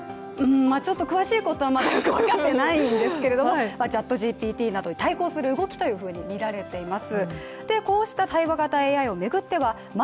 まあちょっと、詳しいことはよく分かってないんですけどＣｈａｔＧＰＴなどに対抗する動きというふうにみられています。